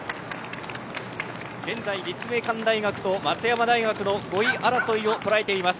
現在、立命館大学と松山大学の５位争いを捉えています。